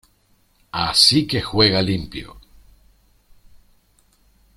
Así que juega limpio.